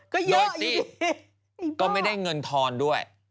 โดยที่ก็ไม่ได้เงินทอนด้วย